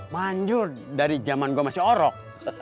manjur dari zaman gue masih orok